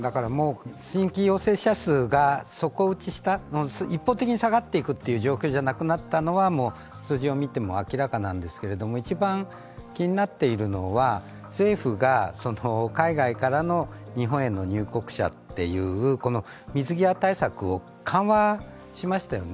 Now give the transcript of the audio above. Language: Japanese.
新規陽性者数が底打ちした一方的に下がっていく状況じゃなくなったのは数字を見ても明らかなんですけれども、一番気になっているのは政府が海外からの日本への入国者という水際対策を緩和しましたよね。